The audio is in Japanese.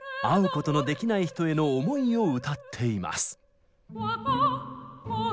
会うことのできない人への思いを歌っています。